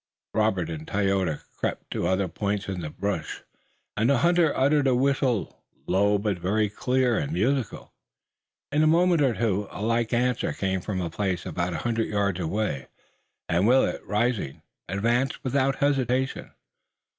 Robert and Tayoga crept to other points in the brush, and the hunter uttered a whistle, low but very clear and musical. In a moment or two, a like answer came from a place about a hundred yards away, and Willet rising, advanced without hesitation.